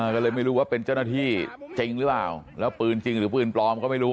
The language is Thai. ก็เลยไม่รู้ว่าเป็นเจ้าหน้าที่จริงหรือเปล่าแล้วปืนจริงหรือปืนปลอมก็ไม่รู้